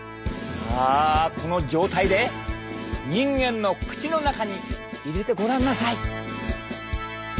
さあこの状態で人間の口の中に入れてごらんなさい！